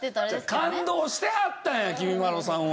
感動してはったんやきみまろさんは。